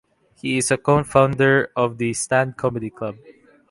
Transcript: He is a co-founder of The Stand Comedy Club.